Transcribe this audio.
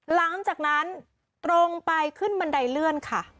หลังจากนั้นตรงไปขึ้นบันไดเลื่อนค่ะ